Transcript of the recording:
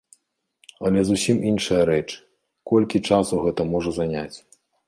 Але зусім іншая рэч, колькі часу гэта можа заняць.